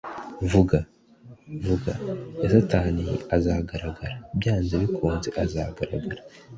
vuga (vuga) ya satani azagaragara (byanze bikunze azagaragara).